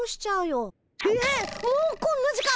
えっもうこんな時間！